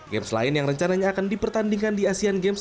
games lain yang rencananya akan dipertandingkan di asean games